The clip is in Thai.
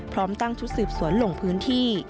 พร้อมตั้งชุดสืบสวนลงพื้นที่